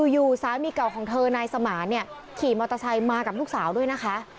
อยู่สามีเก่าของเธอนายสมานเนี่ยขี่มอเตอร์ไซค์มากับลูกสาวด้วยนะคะ